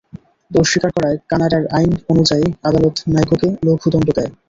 দোষ স্বীকার করায় কানাডার আইন অনুযায়ী আদালত নাইকোকে লঘু দণ্ড দেয়।